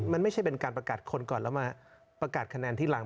มันไม่ใช่เป็นการประกาศคนก่อนแล้วมาประกาศคะแนนที่หลัง